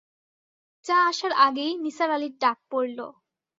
চা আসার আগেই নিসার আলির ডাক পড়ল।